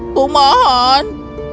aku mau makan